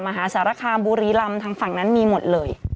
มหาสารคามบุรีลำทางฝั่งนั้นมีหมดเลย